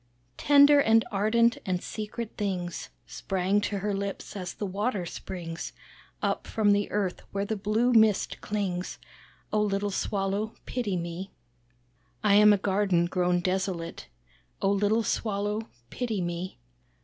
Tender, and ardent, and secret things, Sprang to her lips, as the water springs Up from the earth where the blue mist clings. Oh little Swallow pity me. "I am a garden grown desolate, Oh little Swallow pity me.